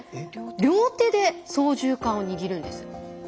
両手で操縦かんを握るんです。